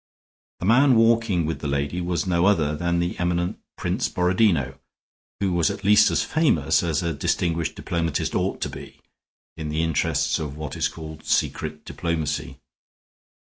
The man walking with the lady was no other than the eminent Prince Borodino, who was at least as famous as a distinguished diplomatist ought to be, in the interests of what is called secret diplomacy.